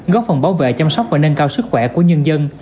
góp phần bảo vệ chăm sóc và nâng cao sức khỏe của nhân dân